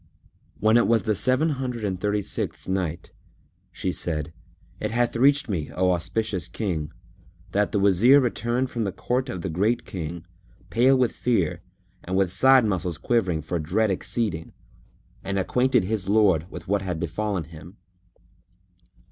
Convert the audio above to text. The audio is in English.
When it was the Seven Hundred and Thirty sixth Night, She said, It hath reached me, O auspicious King, that the Wazir returned from the court of the Great King, pale with fear and with side muscles quivering for dread exceeding; and acquainted his lord with that had befallen him.